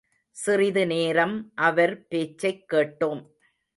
சிறிது நேரம் அவர் பேச்சைக் கேட்டோம்.